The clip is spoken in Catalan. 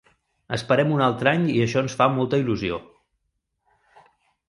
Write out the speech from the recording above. Esperem un altre any i això ens fa molta il·lusió.